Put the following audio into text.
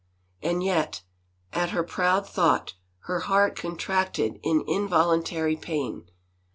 And yet, at her proud thought, her heart contracted in involuntary pain.